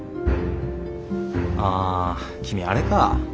あ君あれか。